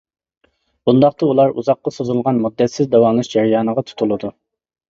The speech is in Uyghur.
بۇنداقتا ئۇلار ئۇزاققا سوزۇلغان مۇددەتسىز داۋالىنىش جەريانىغا تۇتۇلىدۇ.